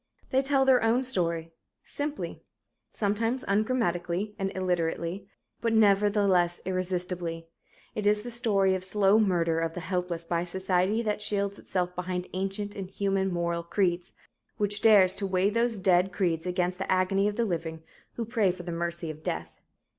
They tell their own story, simply sometimes ungrammatically and illiterately, but nevertheless irresistibly. It is the story of slow murder of the helpless by a society that shields itself behind ancient, inhuman moral creeds which dares to weigh those dead creeds against the agony of the living who pray for the "mercy of death."